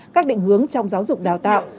các định hướng trong giáo dục đào tạo